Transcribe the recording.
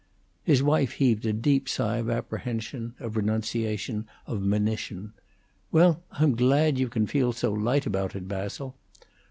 His wife heaved a deep sigh of apprehension, of renunciation, of monition. "Well, I'm glad you can feel so light about it, Basil."